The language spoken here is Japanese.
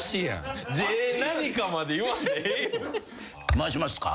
回しますか。